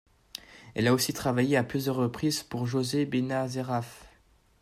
Elle a aussi travaillé à plusieurs reprises pour José Bénazéraf.